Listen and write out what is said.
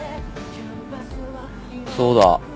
そうだ。